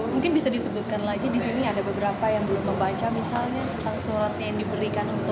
mungkin bisa disebutkan lagi di sini ada beberapa yang belum membaca misalnya tentang surat yang diberikan